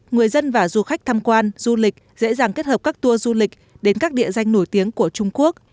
người dân và du khách tham quan du lịch dễ dàng kết hợp các tour du lịch đến các địa danh nổi tiếng của trung quốc